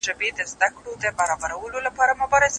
څېړنه د کومو معلوماتو پر بنسټ ولاړه وي؟